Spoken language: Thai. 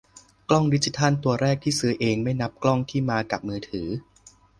กล้องดิจิทัลตัวแรกที่ซื้อเอง ไม่นับกล้องที่มากะมือถือ